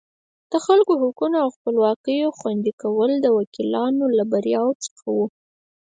د خلکو حقوقو او خپلواکیو خوندي کول د وکیلانو له بریاوو څخه وو.